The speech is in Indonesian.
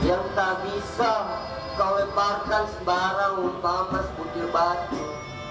yang tak bisa kau leparkan sebarang upah mas putir batu